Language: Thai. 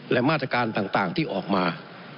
และมาตรการต่างที่ออกมา